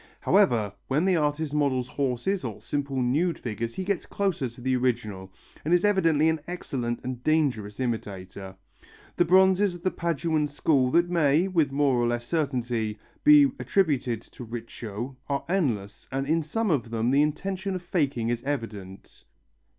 However, when this artist models horses or simple nude figures he gets closer to the originals and is evidently an excellent and dangerous imitator. The bronzes of the Paduan school that may, with more or less certainty, be attributed to Riccio, are endless and in some of them the intention of faking is evident.